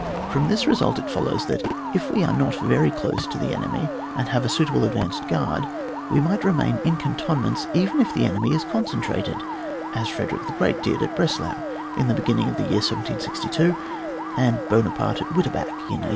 From this result it follows that, if we are not very dose to the enemy, and have a suitable advanced guard we might re main in cantonments, even if the enemy is concentrated, as Frederick the Great did at Breslau in the beginning of the year 1762, and Buonaparte at Witehsk in 1812.